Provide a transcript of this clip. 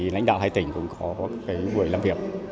lãnh đạo hai tỉnh cũng có mùi làm việc